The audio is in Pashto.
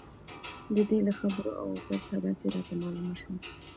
د دې له خبرو او اوضاع څخه داسې راته معلومه شوه.